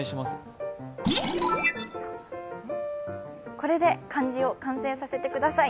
これで漢字を完成させてください。